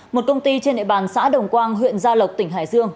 một công ty trên địa bàn xã đồng quang huyện gia lộc tỉnh hải dương